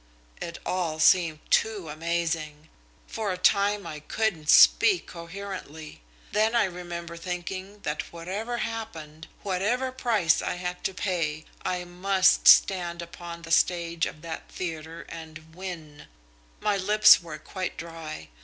"It all seemed too amazing. For a time I couldn't speak coherently. Then I remember thinking that whatever happened, whatever price I had to pay, I must stand upon the stage of that theatre and win. My lips were quite dry.